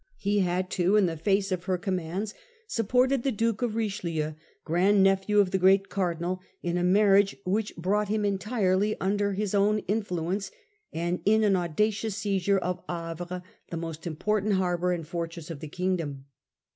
He had, too, in the face of her commands, supported the Duke of Richelieu, grand nephew of the great Cardinal, in a marriage which brought him entirely under his own influence, and in an audacious seizure of Havre, the most important harbour and for tress ef the kingdom.